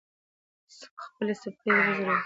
خپـلې سپـېرې وزرې خـورې کـړې.